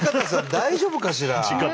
大丈夫かしら？